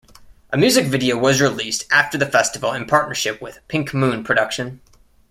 A music video was released after the festival in partnership with "PinkMoon" production.